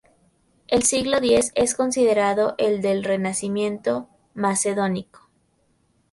El siglo X es considerado el del "Renacimiento macedónico".